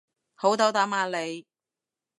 好斗膽啊你